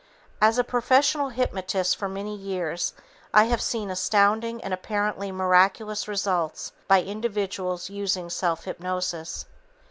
As a professional hypnotist for many years, I have seen astounding and apparently miraculous results by individuals using self hypnosis.